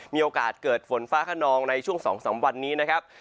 มีโอกาสเกิดฝนฟ้าขนองในช่วง๒๓วันนี้นะครับ